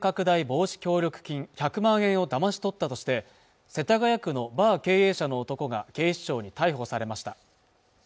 防止協力金１００万円をだまし取ったとして世田谷区のバー経営者の男が警視庁に逮捕されました